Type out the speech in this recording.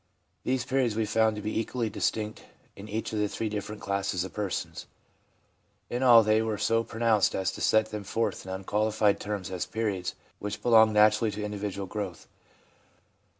These periods we found to be equally distinct in each of the three different classes of persons. In all they were so pronounced as to set them forth in unqualified terms as periods which belong naturally to individual growth.